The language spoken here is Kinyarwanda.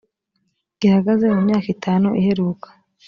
gihagaze mu myaka itanu iheruka